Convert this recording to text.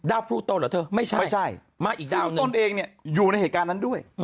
ดาวพูดต้นหรอเธอไม่ใช่มาอีกดาวนึงซึ่งตนเองเนี่ยอยู่ในเหตุการณ์นั้นด้วย